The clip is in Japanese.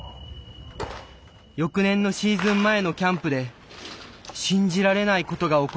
翌年のシーズン前のキャンプで信じられないことが起こりました。